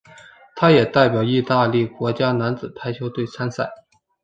他也代表意大利国家男子排球队参赛。